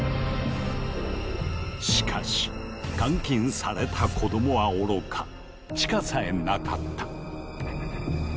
しかし監禁された子どもはおろか地下さえなかった。